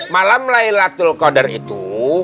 malam laylatul qadar itu